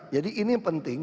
jadi ini yang penting